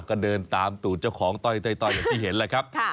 ก็เดินตามตู่เจ้าของต้อยอย่างที่เห็นแหละครับ